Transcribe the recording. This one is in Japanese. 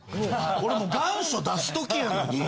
俺もう願書出す時やのに。